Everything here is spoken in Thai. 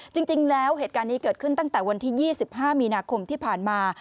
จริงแล้วเหตุการณ์นี้เกิดขึ้นตั้งแต่วันที่๒๕มีนาคมที่ผ่านมา